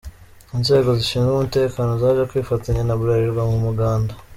Inzego zishinzwe umutekano zaje kwifatanya na Bralirwa mu muganda.